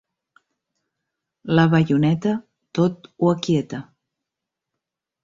La baioneta tot ho aquieta.